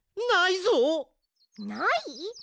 ない？